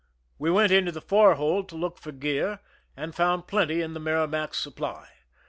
We went into the forehold to look for gear, and found plenty in the Merrimac^s supply.